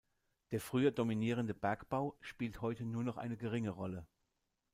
Der früher dominierende Bergbau spielt heute nur noch eine geringe Rolle.